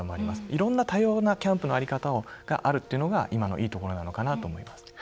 いろんな多様のキャンプの在り方があるというのが今のいいところなのかなと思います。